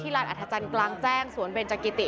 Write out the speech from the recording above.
ที่รัฐอัทธัจันทร์กลางแจ้งสวนเบรนจกิติ